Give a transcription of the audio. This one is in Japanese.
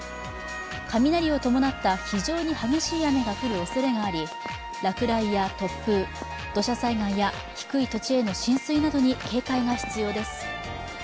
雷を伴った非常に激しい雨が降るおそれがあり落雷や突風、土砂災害や低い土地への浸水などに警戒が必要です。